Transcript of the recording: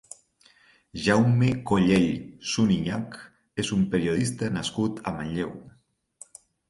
Jaume Collell Surinyach és un periodista nascut a Manlleu.